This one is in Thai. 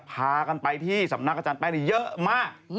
พากันไปที่สำนักอาจารแป้งเยอะมาก